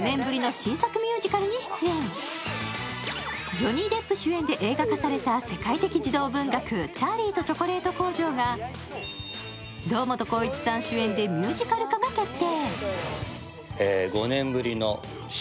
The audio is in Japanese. ジョニー・デップ主演で映画化された世界的児童文学「チャーリーとチョコレート工場」が堂本光一さん主演でミュージカル化が決定。